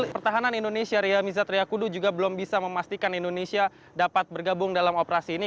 pertahanan indonesia riyamizat riyakudu juga belum bisa memastikan indonesia dapat bergabung dalam operasi ini